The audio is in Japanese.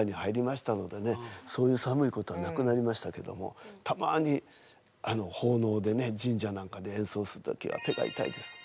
そういう寒いことはなくなりましたけどもたまにほうのうでね神社なんかで演奏する時は手が痛いです。